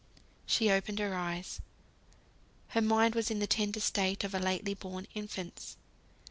She opened her eyes. Her mind was in the tender state of a lately born infant's.